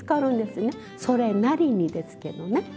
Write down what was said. それなりにですけどね。